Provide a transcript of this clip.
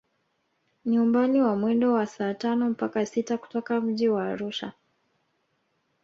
Ni umbali wa mwendo wa saa tano mpaka sita kutoka mji wa Arusha